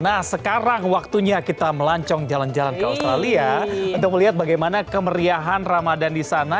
nah sekarang waktunya kita melancong jalan jalan ke australia untuk melihat bagaimana kemeriahan ramadan di sana